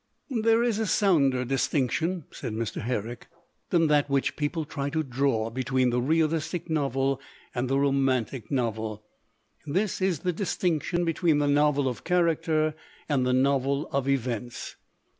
"There is a sounder distinction," said Mr. Her rick, "than that which people try to draw between the realistic novel and the romantic novel. This is the distinction between the novel of character and the novel of events.